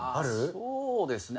そうですね。